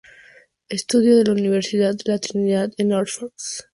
Estudió en la Universidad de la Trinidad, en Oxford.